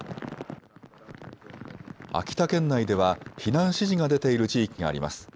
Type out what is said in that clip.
秋田県内では避難指示が出ている地域があります。